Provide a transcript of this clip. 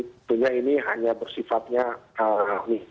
tentunya ini hanya bersifatnya nih